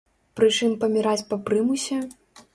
Пры чым паміраць па прымусе?